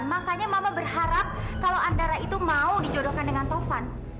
makanya mama berharap kalau andara itu mau dijodohkan dengan tovan